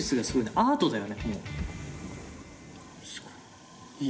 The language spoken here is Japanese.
「アートだよね」。